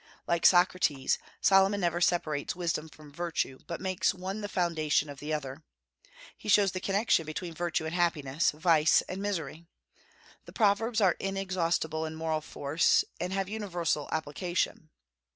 Like Socrates, Solomon never separates wisdom from virtue, but makes one the foundation of the other. He shows the connection between virtue and happiness, vice and misery. The Proverbs are inexhaustible in moral force, and have universal application.